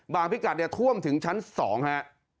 บางพิกัดท่วมถึงชั้น๒ฮะ